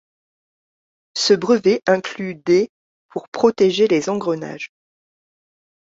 Ce brevet inclut des pour protéger les engrenages.